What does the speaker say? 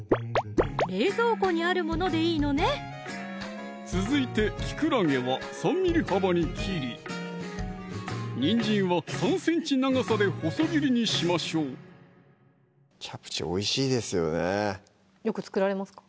冷蔵庫にあるものでいいのね続いてきくらげは３ｍｍ幅に切りにんじんは３ｃｍ長さで細切りにしましょうチャプチェおいしいですよねよく作られますか？